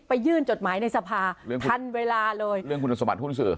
ไปยื่นจดหมายในสภาทันเวลาเลยคุณสมัครหุ้นสื่อ